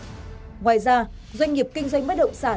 ngoài ra doanh nghiệp kinh doanh bất động sản